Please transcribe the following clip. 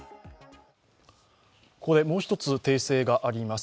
ここでもうひとつ訂正があります。